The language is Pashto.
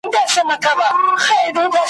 هم د سرو هم جواهرو پیمانه وه `